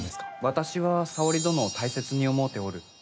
私は沙織殿を大切に思うておる。